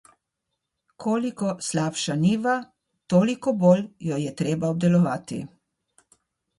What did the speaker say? Koliko slabša njiva, toliko bolj jo je treba obdelovati.